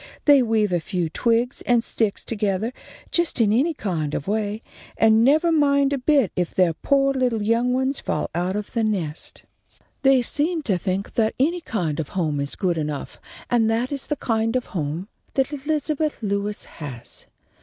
They weave a few twigs and sticks togethah just in any kind of way, and nevah mind a bit if their poah little young ones fall out of the nest. They seem to think that any kind of home is good enough, and that is the kind of a home that Elizabeth Lewis has.